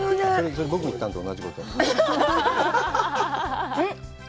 それ僕、言ったのと同じこと。